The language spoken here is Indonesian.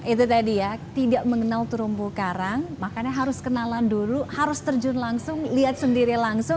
itu tadi ya tidak mengenal terumbu karang makanya harus kenalan dulu harus terjun langsung lihat sendiri langsung